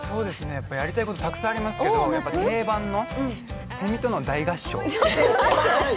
やりたいことたくさんありますけど、定番の、セミとの大合唱。